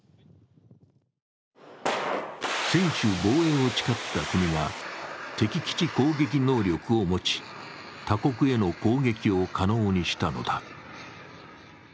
専守防衛を誓った国が敵基地攻撃能力を持ち、他国への攻撃を可能にしたのだ。